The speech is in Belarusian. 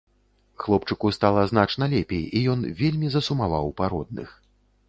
Хлопчыку стала значна лепей і ён вельмі засумаваў па родных.